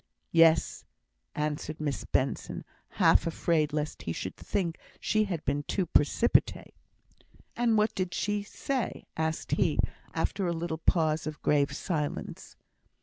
"Yes," answered Miss Benson, half afraid lest he should think she had been too precipitate. "And what did she say?" asked he, after a little pause of grave silence.